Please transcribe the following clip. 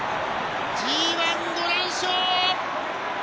ＧＩ、５連勝！